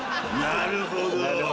なるほど。